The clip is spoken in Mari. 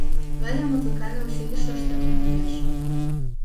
Галя музыкальный училищыште тунемеш.